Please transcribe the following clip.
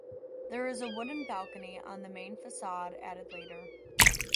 There is a wooden balcony on the main facade, added later.